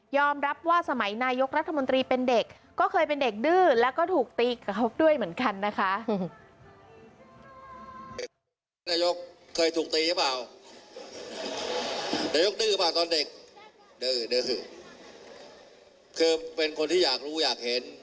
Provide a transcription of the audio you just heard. รับว่าสมัยนายกรัฐมนตรีเป็นเด็กก็เคยเป็นเด็กดื้อแล้วก็ถูกตีกับเขาด้วยเหมือนกันนะคะ